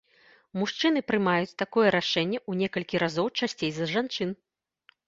Мужчыны прымаюць такое рашэнне у некалькі разоў часцей за жанчын.